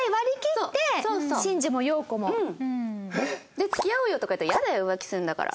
で「付き合おうよ」とか言ったら「イヤだよ浮気するんだから」。